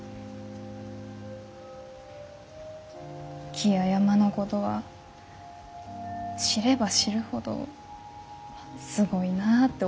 木や山のごどは知れば知るほどすごいなあって思うごどばっかりだし。